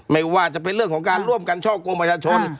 ไม่ว่าจะเป็นเรื่องของการร่วมกันช่อกงประชาชน